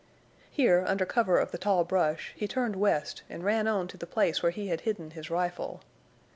Here, under cover of the tall brush, he turned west and ran on to the place where he had hidden his rifle.